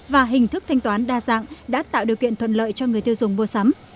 và hình thức thanh toán đa dạng đã tạo điều kiện thuận lợi cho người tiêu dùng mua sắm